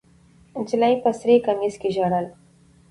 نجلۍ په سره کمیس کې ژړل.